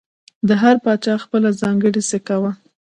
د هر پاچا خپله ځانګړې سکه وه